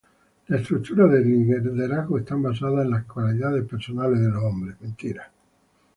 Las estructuras de liderazgo están basadas en las cualidades personales de los hombres.